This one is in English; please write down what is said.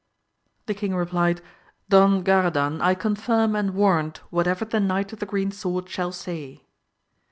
The king replied, Don Garadan, I confirm and warrant whatever the Knight of the Green Sword shall say.